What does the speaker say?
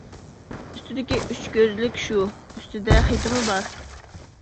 ئۈستىدىكى ئۈچ كۆزلۈك شۇ، ئۈستىدە خېتىمۇ بار.